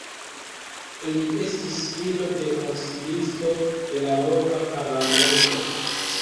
Li estis filo de konsilisto de la loka parlamento.